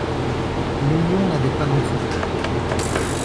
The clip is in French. L'union n'avait pas d'enfant.